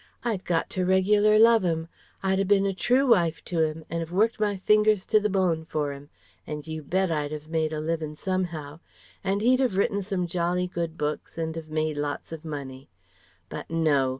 I'd got to reg'lar love 'im. I'd 'a bin a true wife to him, and 'ave worked my fingers to the bone for 'im, and you bet I'd 'ave made a livin' somehow. And he'd have written some jolly good books and 'ave made lots of money. But no!